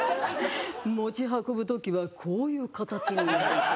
持ち運ぶ時はこういう形に。